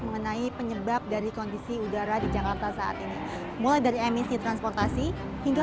mengenai penyebab dari kondisi udara di jakarta saat ini mulai dari emisi transportasi hingga